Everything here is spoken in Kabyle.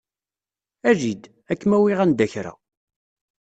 Ali-d. Ad kem-awiɣ anda kra.